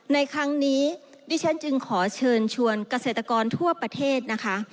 ในครั้งนี้ดิฉันจึงขอเชิญชวนเกษตรกรทั่วประเทศนะคะ